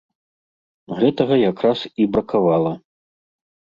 Гэтага якраз і бракавала.